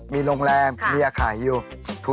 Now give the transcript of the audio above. มีโรงแรมมีอาขายอยู่